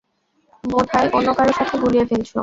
বোধহয় অন্যকারো সাথে গুলিয়ে ফেলছো।